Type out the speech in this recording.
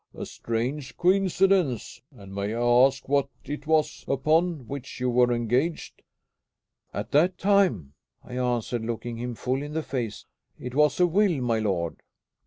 "A strange coincidence. And may I ask what it was upon which you were engaged?" "At that time?" I answered, looking him full in the face. "It was a will, my lord."